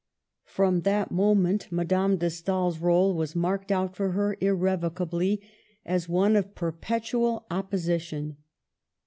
From that moment Madame de Stael's rdle was marked out for her irrevocably as one of per petual opposition.